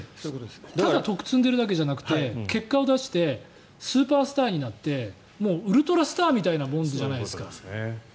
ただ徳を積んでるだけじゃなくて結果を出してスーパースターになってウルトラスターみたいなもんじゃないですか。